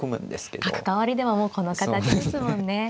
角換わりではもうこの形ですもんね。